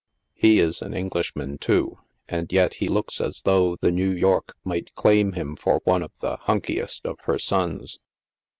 He is an Englishman, too, and yet he looks as though the New York might claim him for one of the '; hunkieat" of her sons.